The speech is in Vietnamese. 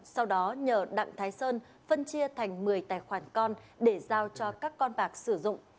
sau đó nhờ đặng thái sơn phân chia thành một mươi tài khoản con để giao cho các con bạc sử dụng